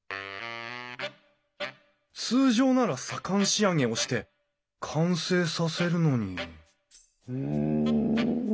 通常なら左官仕上げをして完成させるのにうん？